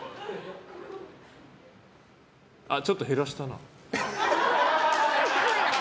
ちょっと減らしたな。